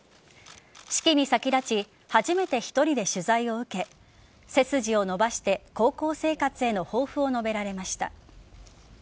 式に先立ち初めて１人で取材を受け背筋を伸ばして高校生活への抱負を述べられました。